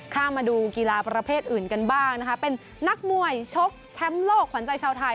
มาดูกีฬาประเภทอื่นกันบ้างนะคะเป็นนักมวยชกแชมป์โลกขวัญใจชาวไทย